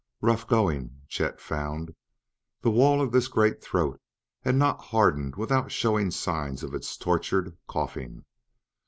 Rough going, Chet found; the wall of this great throat had not hardened without showing signs of its tortured coughing.